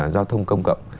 giao thông công cộng